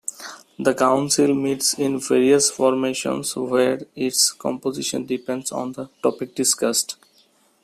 The Council meets in various formations where its composition depends on the topic discussed.